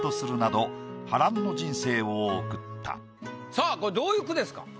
さぁこれどういう句ですか？